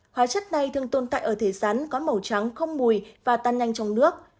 hóa chất này thường tồn tại ở thể sắn có màu trắng không mùi và tan nhanh trong nước